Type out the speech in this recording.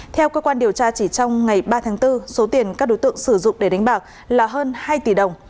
theo cơ quan điều tra chỉ trong ngày ba tháng bốn số tiền các đối tượng sử dụng để đánh bạc là hơn hai tỷ đồng